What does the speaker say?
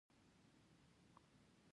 کروشیایان او هنګریایان هم جنګېږي.